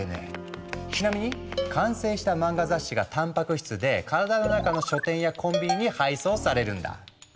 ちなみに完成した漫画雑誌がたんぱく質で体の中の書店やコンビニに配送されるんだ。